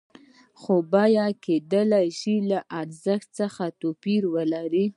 خو بیه کېدای شي له ارزښت څخه توپیر ولري